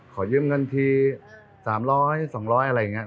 ขอยืมเงินที๓๐๐๒๐๐อะไรอย่างนี้